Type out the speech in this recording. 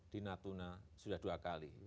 di natuna sudah dua kali